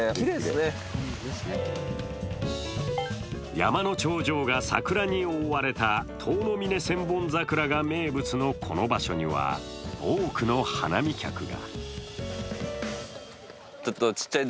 山の頂上が桜に覆われた塔の峰千本桜が名物のこの場所には、多くの花見客が。